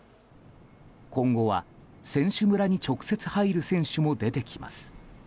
今後は選手村に直接入る選手も出てきます。